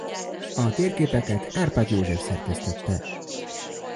A térképet Kárpát József szerkesztette.